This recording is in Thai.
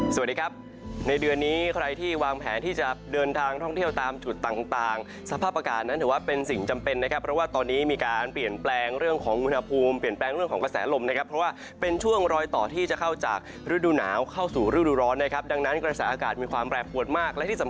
สวัสดีครับในเดือนนี้ใครที่วางแผนที่จะเดินทางท่องเที่ยวตามจุดต่างต่างสภาพอากาศนั้นถือว่าเป็นสิ่งจำเป็นนะครับเพราะว่าตอนนี้มีการเปลี่ยนแปลงเรื่องของอุณหภูมิเปลี่ยนแปลงเรื่องของกระแสลมนะครับเพราะว่าเป็นช่วงรอยต่อที่จะเข้าจากฤดูหนาวเข้าสู่ฤดูร้อนนะครับดังนั้นกระแสอากาศมีความแปรปวดมากและที่สำคัญ